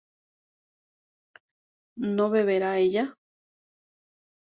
¿no beberá ella?